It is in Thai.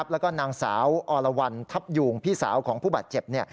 แล้วก็นางสาวอรวรรณทัพยูงพี่สาวของผู้บาดเจ็บ